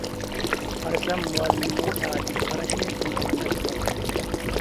قارىسام مۇئەللىممۇ سائىتىگە قاراشنى ئۇنتۇغاندەك قىلاتتى.